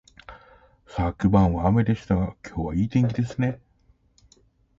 昨晩は雨でしたが、今日はいい天気ですね